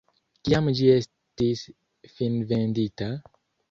Kiam ĝi estis finvendita?